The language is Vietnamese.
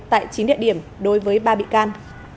tại chín địa điểm đối với ba bị can